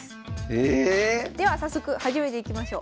ええ⁉では早速始めていきましょう。